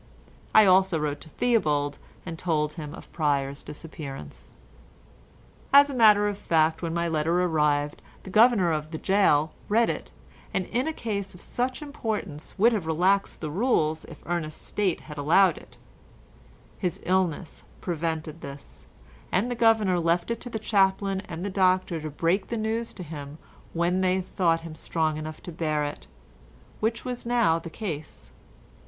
I also wrote to Theobald and told him of Pryer's disappearance. As a matter of fact, when my letter arrived the governor of the gaol read it, and in a case of such importance would have relaxed the rules if Ernest's state had allowed it; his illness prevented this, and the governor left it to the chaplain and the doctor to break the news to him when they thought him strong enough to bear it, which was now the case.